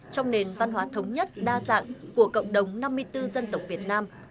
trong nền văn hóa thống nhất đa dạng của cộng đồng năm mươi bốn dân tộc việt nam